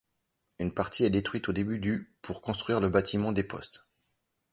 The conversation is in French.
Une partie est détruite au début du pour construire le bâtiment des Postes.